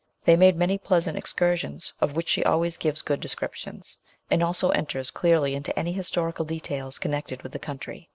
They made many pleasant excur sions, of which she always gives good descriptions, and also enters clearly into any historical details con nected with the country.